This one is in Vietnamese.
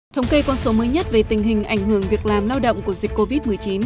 thống kê con số mới nhất về tình hình ảnh hưởng việc làm lao động của dịch covid một mươi chín